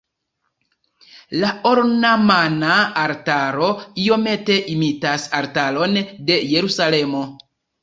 La ornama altaro iomete imitas altaron de Jerusalemo.